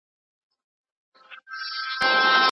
د هغه شعر په جواب کي